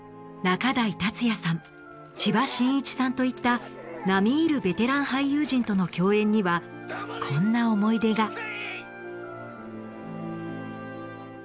仲代達矢さん千葉真一さんといった並み居るベテラン俳優陣との共演にはこんな思い出が。